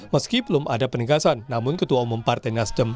meski belum ada penegasan namun ketua umum partai nasdem